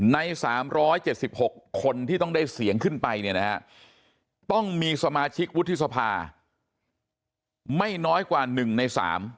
ใน๓๗๖คนที่ต้องได้เสียงขึ้นไปเนี่ยนะฮะต้องมีสมาชิกวุฒิสภาไม่น้อยกว่า๑ใน๓